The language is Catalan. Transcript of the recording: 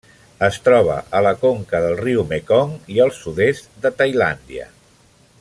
Es troba a la conca del riu Mekong i al sud-est de Tailàndia.